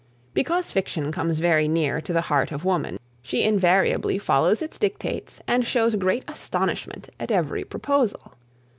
Because fiction comes very near to the heart of woman, she invariably follows its dictates and shows great astonishment at every proposal.